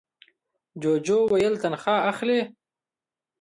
جوجو وویل تنخوا اخلې؟